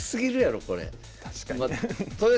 確かに。